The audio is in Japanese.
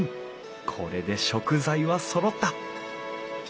これで食材はそろった！